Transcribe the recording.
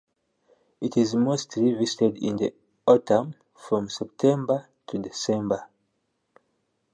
It is mostly visited in the autumn from September to December.